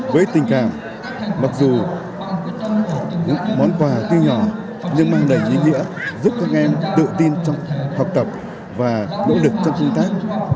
với tình cảm mặc dù những món quà tuy nhỏ nhưng mang đầy ý nghĩa giúp các em tự tin trong học tập và nỗ lực trong công tác